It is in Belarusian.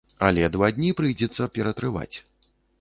Але два дні прыйдзецца ператрываць.